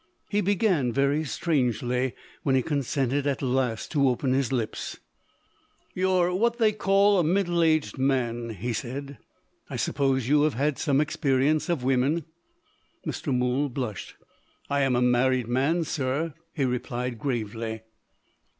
He began very strangely, when he consented at last to open his lips. "You're what they call, a middle aged man," he said. "I suppose you have had some experience of women?" Mr. Mool blushed. "I am a married man, sir," he replied gravely.